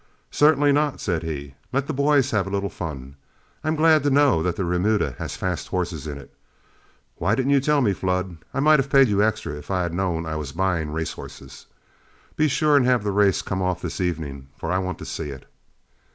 "Certainly not," said he; "let the boys have a little fun. I'm glad to know that the remuda has fast horses in it. Why didn't you tell me, Flood? I might have paid you extra if I had known I was buying racehorses. Be sure and have the race come off this evening, for I want to see it."